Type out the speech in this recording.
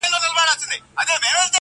• چي په کور کي د بادار وي ټول ښاغلي -